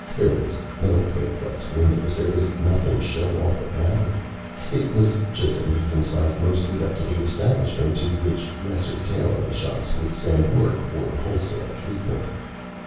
There were no plate glass windows. There was nothing show off about it. It was just a medium sized, modestly up to date establishment to which lesser tailoring shops would send work for wholesale treatment.